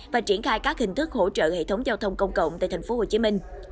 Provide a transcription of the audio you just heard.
và triển khai các hình thức hỗ trợ hệ thống giao thông công cộng tại tp hcm